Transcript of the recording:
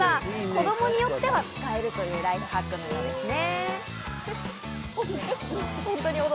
子供によっては使えるというライフハックですね。